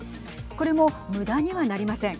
これも、むだにはなりません。